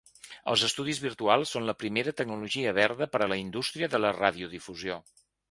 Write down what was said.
Els estudis virtuals són la primera tecnologia verda per a la indústria de la radiodifusió.